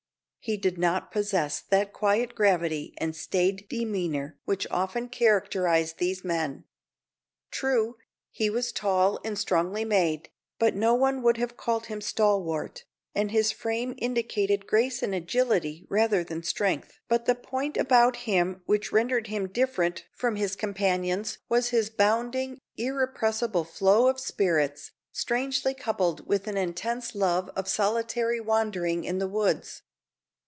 He did not possess that quiet gravity and staid demeanour which often characterize these men. True, he was tall and strongly made, but no one would have called him stalwart, and his frame indicated grace and agility rather than strength. But the point about him which rendered him different from his companions was his bounding, irrepressible flow of spirits, strangely coupled with an intense love of solitary wandering in the woods.